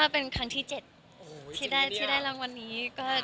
เป็นครั้งที่๗ที่ได้รางวัลนี้